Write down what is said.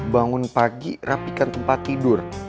bangun pagi rapikan tempat tidur